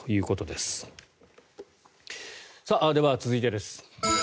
では、続いてです。